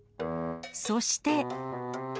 そして。